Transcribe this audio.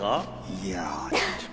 いや。